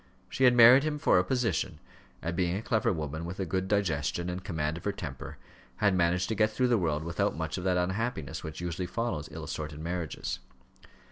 She had married him for a position; and being a clever woman, with a good digestion and command of her temper, had managed to get through the world without much of that unhappiness which usually follows ill assorted marriages.